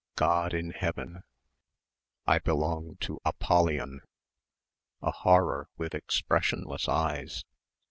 ... God in heaven.... I belong to Apollyon ... a horror with expressionless eyes